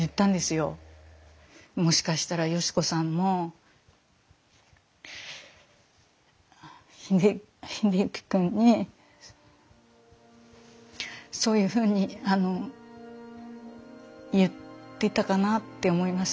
もしかしたら嘉子さんも英之君にそういうふうに言ってたかなって思います。